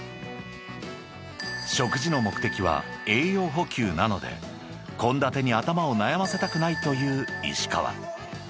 ［食事の目的は栄養補給なので献立に頭を悩ませたくないという石川］